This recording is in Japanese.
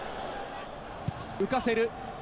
浮かせる。